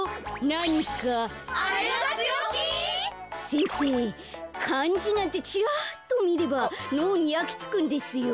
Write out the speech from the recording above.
先生かんじなんてチラッとみればのうにやきつくんですよ。